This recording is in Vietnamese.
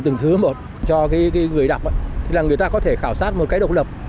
người ta có thể khảo sát một cái độc lập